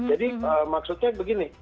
jadi maksudnya begini